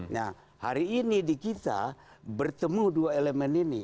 nah hari ini di kita bertemu dua elemen ini